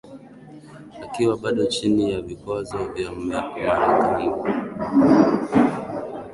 Akiwa bado chini ya vikwazo vya Marekani